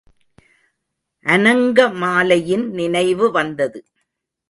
அநங்கமாலையின் நினைவு வந்தது.